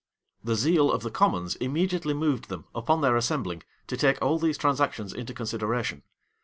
73. The zeal of the commons immediately moved them, upon their assembling, to take all these transactions into consideration.